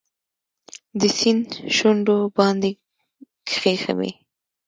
د سیند شونډو باندې کښېښوي